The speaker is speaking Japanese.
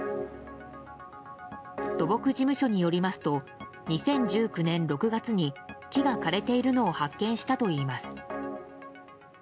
土木事務所によりますと２０１９年６月に木が枯れているのを発見したといいます。